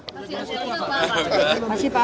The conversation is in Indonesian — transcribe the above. pasir laut itu pak